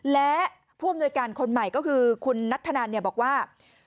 และผู้อำนวยการคนใหม่ก็คือคุณนัทธนันบอกว่า